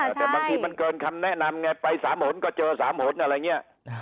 ใช่มันเกินคำแนะนำไงไปสามโหดก็เจอสามโหดอะไรเงี้ย